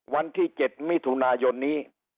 วันที่๗มิถุนายนนี้